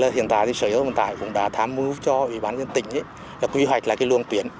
hiện tại sở hữu vận tải cũng đã tham mưu cho ubnd tỉnh quy hoạch luồng tuyển